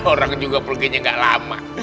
orang juga perginya gak lama